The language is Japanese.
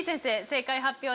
正解発表